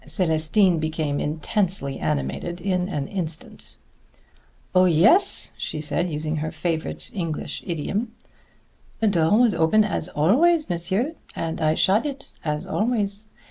Célestine became intensely animated in an instant. "Oh, yes," she said, using her favorite English idiom. "The door was open as always, monsieur, and I shut it as always.